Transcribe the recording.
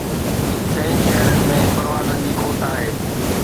چئن شهرن ۾ پروازن جي کوٽ آهي